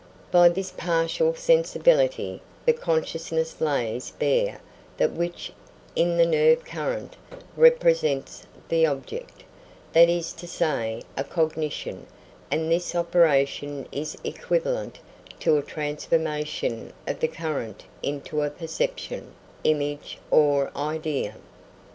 By this partial sensibility, the consciousness lays bare that which, in the nerve current, represents the object that is to say, a cognition; and this operation is equivalent to a transformation of the current into a perception, image, or idea.